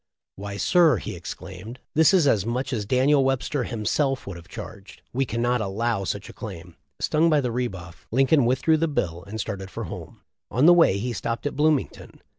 "Why, sir,'' he exclaimed, "this is as much as Daniel Webster himself would have charged. We cannot allow such a claim." Stung by the re buff, Lincoln withdrew the bill, and started for home. On the way he stopped at Bloomington.